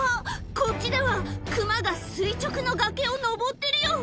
こっちではクマが垂直の崖を登ってるよ